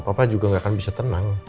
papa juga nggak akan bisa tenang